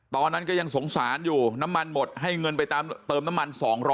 ตอนนั้นก็ยังสงสารอยู่น้ำมันหมดให้เงินไปเติมน้ำมัน๒๐๐